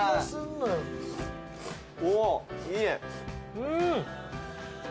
うん！